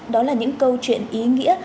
đó là những câu chuyện ý nghĩa